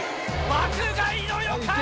爆買いの予感。